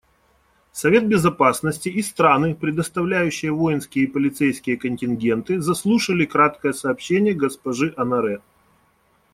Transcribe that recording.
Совет Безопасности и страны, предоставляющие воинские и полицейские контингенты, заслушали краткое сообщение госпожи Оноре.